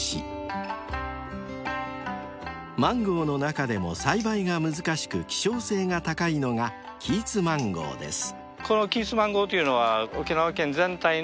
［マンゴーの中でも栽培が難しく希少性が高いのがキーツマンゴーです］